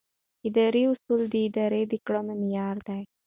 اداري اصول د ادارې د کړنو معیار دي.